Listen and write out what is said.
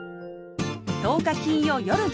１０日金曜夜１０時